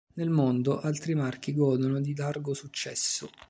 Nel mondo, altri marchi godono di largo successo.